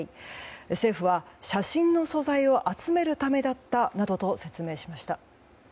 政府は、写真の素材を集めるためだったなどと説明しました。